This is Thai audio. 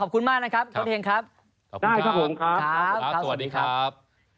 ขอบคุณมากนะครับโค้ดเห็งครับได้ครับผมครับครับสวัสดีครับ